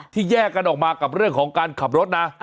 แยกกันออกมากับเรื่องของการขับรถนะ